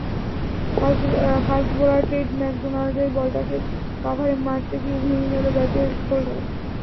Fast bowler Ted ম্যাকডোনাল্ডের বলটাকে কাভারে মারতে গিয়ে ভেঙে গেল ব্যাটের শোল্ডার।